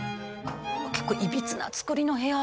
結構いびつな作りの部屋。